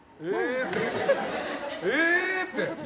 えーって。